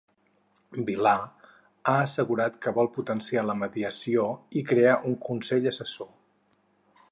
Vilà ha assegurat que vol potenciar la mediació i crear un consell assessor.